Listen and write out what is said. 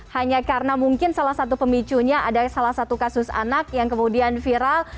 hanya karena mungkin salah satu pemicunya ada salah satu kasus anak yang kemudian viral